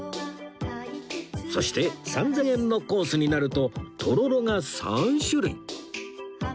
そして３０００円のコースになるととろろが３種類